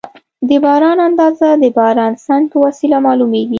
د باران اندازه د بارانسنج په وسیله معلومېږي.